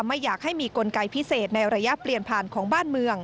ไม่อยากให้มีกลไกพิเศษในระยะเปลี่ยนผ่านของบ้านเมือง